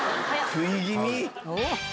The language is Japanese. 食い気味に。